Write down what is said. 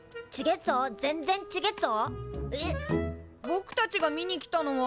ぼくたちが見に来たのは。